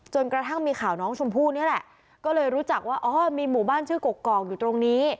กระทั่งมีข่าวน้องชมพู่นี่แหละก็เลยรู้จักว่าอ๋อมีหมู่บ้านชื่อกกอกอยู่ตรงนี้